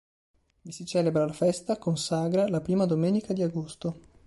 Vi si celebra la festa, con sagra, la prima domenica di agosto.